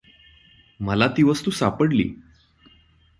मला ती वस्तू सापडली.